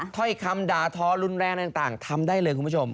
ถ้อยคำด่าทอรุนแรงต่างทำได้เลยคุณผู้ชม